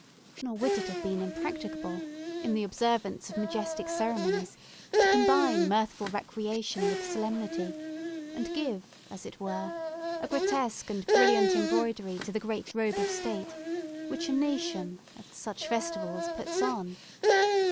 Nor would it have been impracticable, in the observance of majestic ceremonies, to combine mirthful recreation with solemnity, and give, as it were, a grotesque and brilliant embroidery to the great robe of state, which a nation, at such festivals, puts on.